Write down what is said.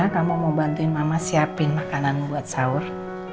kamu mau bantuin mama siapin makanan buat sahur